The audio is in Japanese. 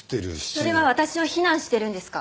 それは私を非難してるんですか？